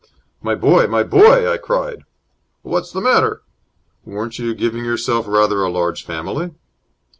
"My boy! My boy!" I cried. "What's the matter?" "Weren't you giving yourself rather a large family?"